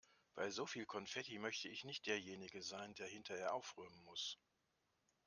Bei so viel Konfetti möchte ich nicht derjenige sein, der hinterher aufräumen muss.